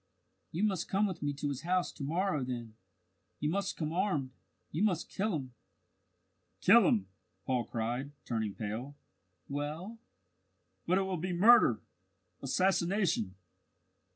"You must come with me to his house to morrow then! You must come armed. You must kill him." "Kill him!" Paul cried, turning pale. "Well?" "But it will be murder assassination."